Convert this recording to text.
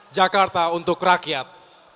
jakarta untuk rakyat